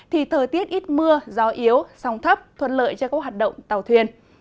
thì thời tiết ít mưa gió yếu sóng thấp thuận lợi cho các hoạt động tàu thuyền